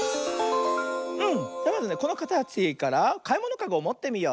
じゃまずねこのかたちからかいものかごをもってみよう。